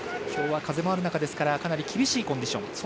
今日は風もありますからかなり厳しいコンディション。